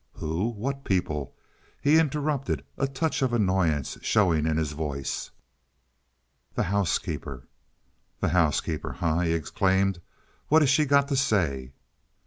"Who, what people?" he interrupted, a touch of annoyance showing in his voice. "The housekeeper." "The housekeeper, eh!" he exclaimed. "What has she got to say?"